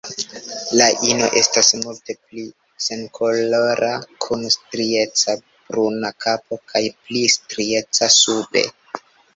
La ino estas multe pli senkolora, kun strieca bruna kapo kaj pli strieca sube.